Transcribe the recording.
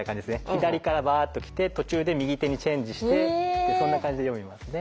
左からバーッときて途中で右手にチェンジしてそんな感じで読みますね。